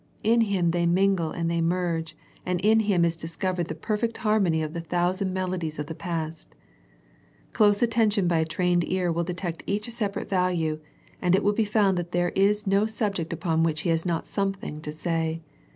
In Him they mingle and they merge, and in Him is discovered the perfect harmony of the thousand melodies of the past. Close atten tion by a trained ear will detect each separate value, and it will be found that there is no subject upon which He has not something to say.